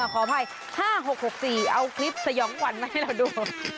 ขออภัย๕๖๖๔เอาคลิปสยองขวัญมาให้เราดู